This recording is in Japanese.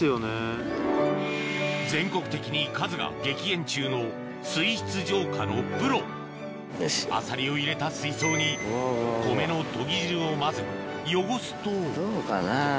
全国的に数が激減中の水質浄化のプロアサリを入れた水槽に米のとぎ汁を混ぜ汚すとどうかな？